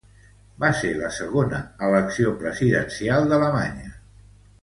Va ser la segona elecció presidencial d'Alemanya.